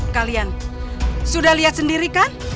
kalian sudah lihat sendiri kan